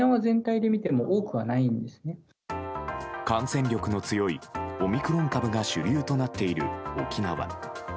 感染力の強いオミクロン株が主流となっている沖縄。